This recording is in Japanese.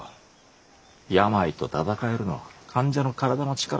病と闘えるのは患者の体の力だけだ。